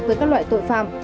với các loại tội phạm